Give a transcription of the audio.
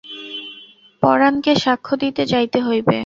পরাণকে সাক্ষ্য দিতে যাইতে হইবে।